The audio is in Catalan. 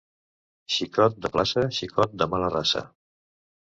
Xicot de plaça, xicot de mala raça.